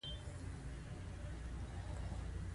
بازار سوړ دی؛ کار نشته.